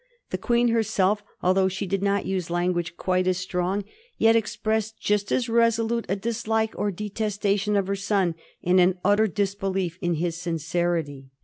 The Queen herself, although she did not use language quite as strong, yet expressed just as resolute a dislike or detestation of her son, and an utter disbelief in his sincerity.